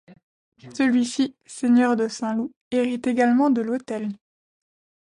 Celui-ci, seigneur de Saint-Loup, hérite également de l'hôtel.